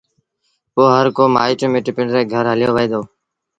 پو هرڪو مآئيٽ مٽ پنڊري گھر هليو وهي دو